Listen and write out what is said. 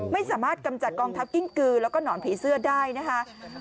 ไม่สามารถกำจัดกองทัพกิ้งกือแล้วก็หนอนผีเสื้อได้นะคะ